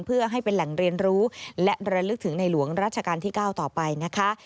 เพื่อให้เป็นแหล่งเรียนรู้และระลึกถึงในหลวงรัชกาลที่๙ต่อไปนะคะ